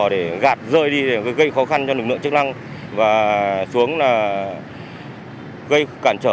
để gạt rơi đi để gây khó khăn cho lực lượng chức năng và xuống gây cản trở